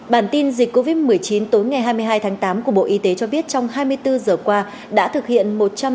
bản tin dịch covid một mươi chín tối ngày hai mươi hai tháng tám của bộ y tế cho biết trong hai mươi bốn giờ qua đã thực hiện một trăm tám mươi một sáu trăm sáu mươi